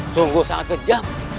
sungguh sangat kejam